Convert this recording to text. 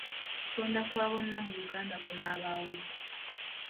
Okulonda kwa bonna mu Uganda kunaabaawo ddi?